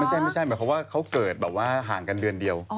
ไม่ใช่หมายความว่าเขาเกิดแบบว่าห่างกันเดือนเดียว